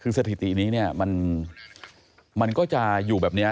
คือสถิตินี้เนี่ยมันก็จะอยู่แบบนี้